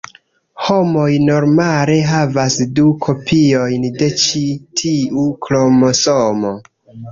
Homoj normale havas du kopiojn de ĉi tiu kromosomo.